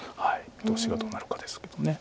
見通しがどうなるかですけど。